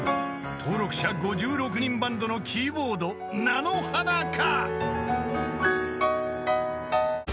［登録者５６人バンドのキーボードなのはなか？］